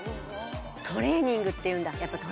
トレーニングっていうんだ。